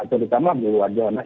terutama di luar jalanan